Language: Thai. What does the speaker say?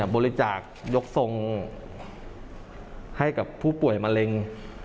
บริจาคยกทรงให้กับผู้ป่วยมะเร็ง